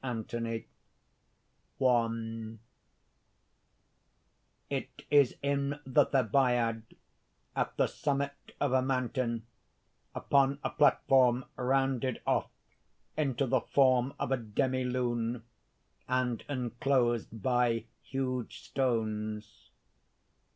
ANTHONY _It is in the Thebaid at the summit of a mountain, upon a platform, rounded off into the form of a demilune, and enclosed by huge stones.